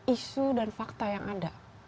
isu dan fakta yang ada